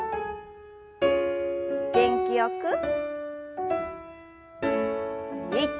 元気よく。